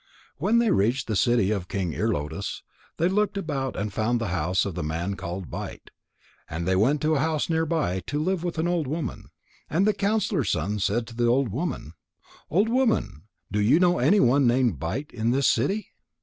When they reached the city of King Ear lotus, they looked about and found the house of the man called Bite, and they went to a house near by to live with an old woman. And the counsellor's son said to the old woman: "Old woman, do you know anybody named Bite in this city?"